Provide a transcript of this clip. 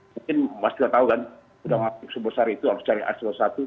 mungkin mas kita tahu kan gudang r seed sebesar itu harus cari r seed satu